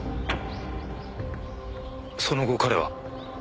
その後彼は？